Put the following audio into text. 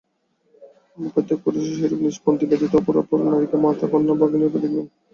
প্রত্যেক পুরুষও সেইরূপ নিজ পত্নী ব্যতীত অপরাপর নারীকে মাতা, কন্যা বা ভগিনীরূপে দেখিবেন।